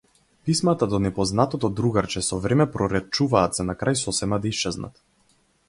Писмата до непознатото другарче со време проретчуваат за на крај сосема да исчезнат.